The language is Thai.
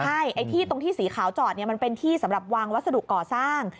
ใช่ไอ้ที่ตรงที่สีขาวจอดมันเป็นที่สำหรับวางวัสดุก่อสร้าง